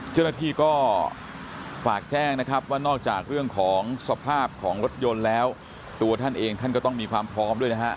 เจ้าหน้าที่ก็ฝากแจ้งนะครับว่านอกจากเรื่องของสภาพของรถยนต์แล้วตัวท่านเองท่านก็ต้องมีความพร้อมด้วยนะฮะ